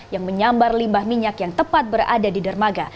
yang menyambar limbah minyak yang tepat berada di dermaga